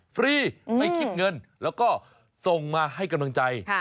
ฟรีไม่คิดเงินแล้วก็ส่งมาให้กำลังใจ